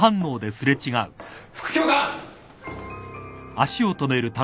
副教官！